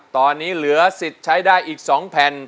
ตอนนี้เหลือสิทธิ์ใช้ได้อีก๒แผ่น